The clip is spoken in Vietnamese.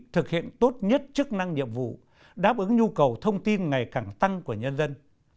thực hiện tốt nhất chức năng nhiệm vụ đáp ứng nhu cầu thông tin ngày càng tăng của nhân dân